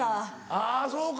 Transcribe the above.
あぁそうか。